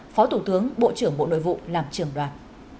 phó thủ tướng bộ trưởng bộ nội vụ làm trưởng đoàn